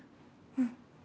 うん。